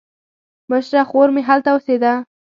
مشره خور مې هلته اوسېده.